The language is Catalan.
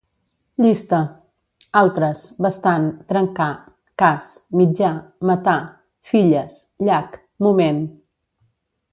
Llista: altres, bastant, trencar, cas, mitjà, matar, filles, llac, moment